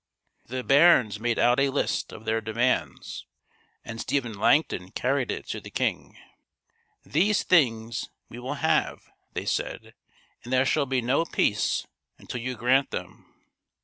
The barons made out a list of their demands; and Stephen Langton carried it to the king. " These things we will have," they said ;" and there shall be no peace until you grant them."